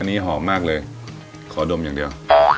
อันนี้หอมมากเลยขอดมอย่างเดียว